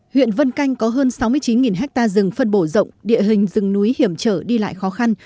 huyện vân canh có hơn sáu mươi chín ha rừng phân bổ rộng địa hình rừng núi hiểm trở đi lại khó khăn